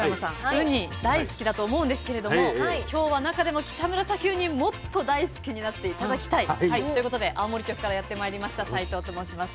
ウニ大好きだと思うんですけれども今日は中でもキタムラサキウニもっと大好きになって頂きたいということで青森局からやってまいりました斎藤と申します。